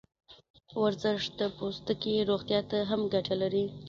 ورزش د پوستکي روغتیا ته هم ګټه لري.